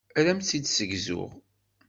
Ad am-tt-id-ssegzuɣ.